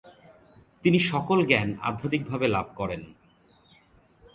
তিনি সকল জ্ঞান আধ্যাত্মিক ভাবে লাভ করেন।